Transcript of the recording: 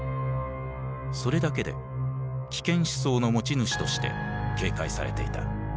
それだけで危険思想の持ち主として警戒されていた。